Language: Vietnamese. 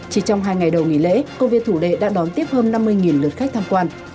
chỉ trong hai ngày đầu nghỉ lễ công viên thủ đệ đã đón tiếp hơn năm mươi lượt khách tham quan